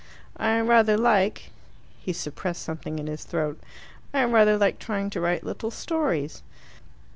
"I rather like," he suppressed something in his throat, "I rather like trying to write little stories."